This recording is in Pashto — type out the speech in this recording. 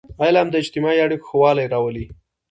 علم د اجتماعي اړیکو ښهوالی راولي.